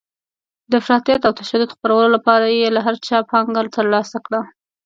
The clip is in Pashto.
د افراطیت او تشدد خپرولو لپاره یې له هر چا پانګه ترلاسه کړه.